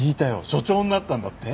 署長になったんだって？